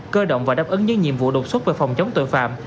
cơ động và đáp ứng những nhiệm vụ đột xuất về phòng chống tội phạm